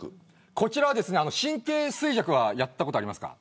こちらは神経衰弱はやったことありますか。